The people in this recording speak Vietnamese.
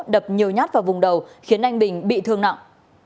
đập nhiều nhát vào vùng đầu khiến anh bình bị thương nặng